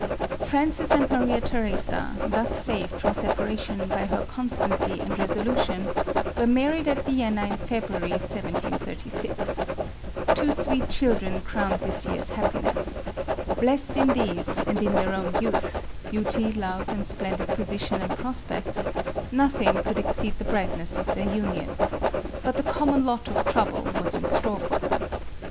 Francis and Maria Theresa, thus saved from separa tion by her constancy and resolution, were married at Vienna in February, 1736. Two sweet children crowned this year's happiness. Blessed in these, and in their own youth, beauty, love and splendid position and prospects, nothing could exceed the brightness of their union. But the common lot of trouble was in store for them.